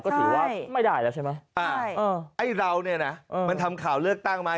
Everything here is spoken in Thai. ก็ถือว่าไม่ได้แล้วใช่ไหมไอ้เราเนี่ยนะมันทำข่าวเลือกตั้งไหม